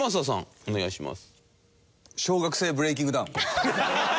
お願いします。